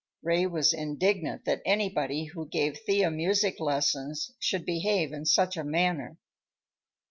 Ray was indignant that anybody who gave Thea music lessons should behave in such a manner.